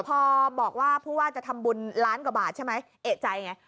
พอบอกว่าผู้ว่าจะทำบุญล้านกว่าบาทใช่ไหมเอกใจไง